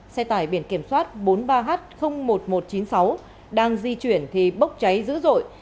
xe tải biển kiểm soát bốn mươi ba h một nghìn một trăm chín mươi sáu đang di chuyển thì bốc cháy dữ dội